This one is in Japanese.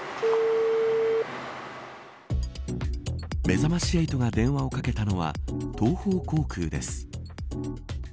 めざまし８が電話をかけたのは東方航空です。